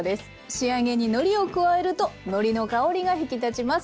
仕上げにのりを加えるとのりの香りが引き立ちます。